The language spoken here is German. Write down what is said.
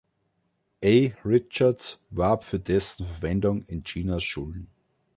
A. Richards warb für dessen Verwendung in Chinas Schulen.